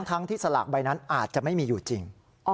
ทั้งที่สลากใบนั้นอาจจะไม่มีอยู่จริง